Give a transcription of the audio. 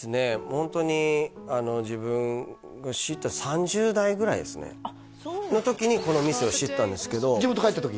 ホントに自分が３０代ぐらいですねの時にこの店を知ったんですけど地元帰った時？